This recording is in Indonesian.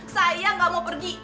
saya gak mau pergi